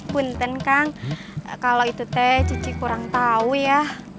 bukan kang kalau itu teh cici kurang tahu ya